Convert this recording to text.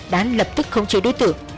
đán lập tức không chế đối tượng